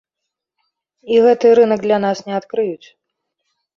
І гэты рынак для нас не адкрыюць.